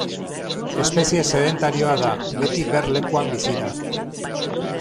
Espezie sedentarioa da; beti ber lekuan bizi da.